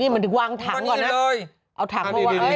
เอาถังมาวาง